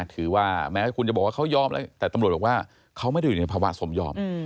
ถือว่าแม้คุณจะบอกว่าเขายอมแล้วแต่ตำรวจบอกว่าเขาไม่ได้อยู่ในภาวะสมยอม